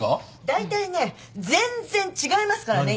だいたいね全然違いますからね。